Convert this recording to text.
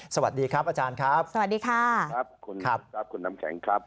สวัสดีครับอาจารย์ครับสวัสดีค่ะครับคุณครับคุณน้ำแข็งครับ